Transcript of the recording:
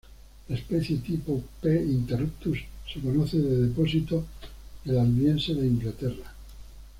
La especie tipo, "P. interruptus" se conoce de depósitos del Albiense de Inglaterra.